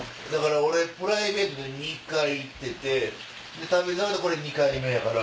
俺プライベートで２回行ってて『旅猿』で２回目やから。